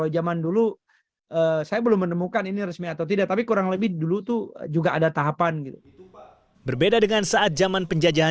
jepang jawa tengah